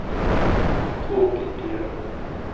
Куып киттеләр.